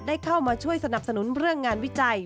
เข้ามาช่วยสนับสนุนเรื่องงานวิจัย